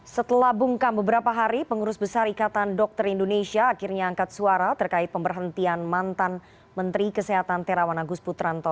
setelah bungkam beberapa hari pengurus besar ikatan dokter indonesia akhirnya angkat suara terkait pemberhentian mantan menteri kesehatan terawan agus putranto